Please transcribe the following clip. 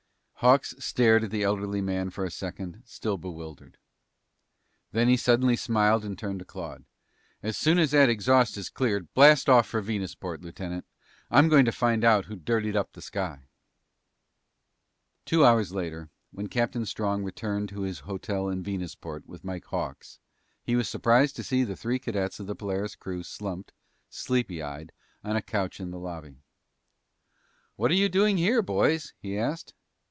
Hawks stared at the elderly man for a second, still bewildered. Then he suddenly smiled and turned to Claude. "As soon as that exhaust is cleared, blast off for Venusport, Lieutenant. I'm going to find out who dirtied up the sky!" Two hours later, when Captain Strong returned to his hotel in Venusport with Mike Hawks, he was surprised to see the three cadets of the Polaris crew slumped, sleepy eyed, on a couch in the lobby. "What are you doing here, boys?" he asked.